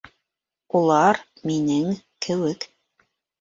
Улар минең кеүек.